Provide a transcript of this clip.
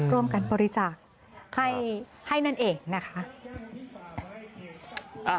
ร่วมกันบริจาคให้นั่นเองนะคะ